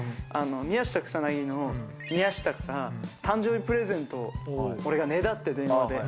宮下草薙の宮下から誕生日プレゼントを俺が、ねだって電話で。